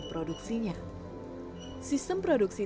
produksinya sistem produksi